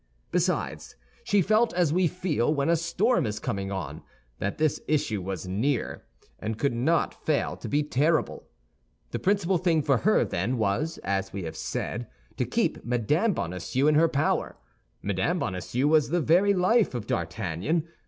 Besides, she felt as we feel when a storm is coming on—that this issue was near, and could not fail to be terrible. The principal thing for her, then, was, as we have said, to keep Mme. Bonacieux in her power. Mme. Bonacieux was the very life of D'Artagnan.